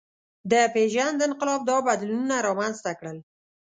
د پېژند انقلاب دا بدلونونه رامنځ ته کړل.